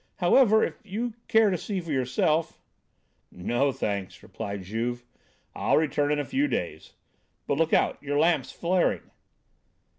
However, if you care to see for yourself " "No, thanks," replied Juve, "I'll return in a few days. But look out, your lamp's flaring!"